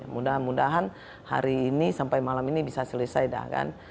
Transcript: mudah mudahan hari ini sampai malam ini bisa selesai dah kan